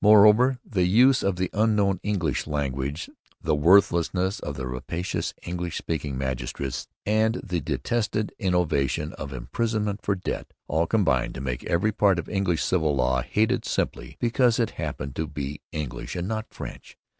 Moreover, the use of the unknown English language, the worthlessness of the rapacious English speaking magistrates, and the detested innovation of imprisonment for debt, all combined to make every part of English civil law hated simply because it happened to be English and not French.